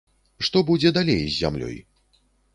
Што будзе далей з зямлёй?